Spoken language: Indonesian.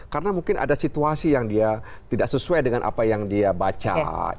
karena mungkin ada situasi yang dia tidak sesuai dengan apa yang dia baca